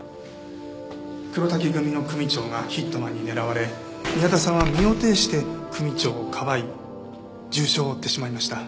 黒瀧組の組長がヒットマンに狙われ宮田さんは身を挺して組長をかばい重傷を負ってしまいました。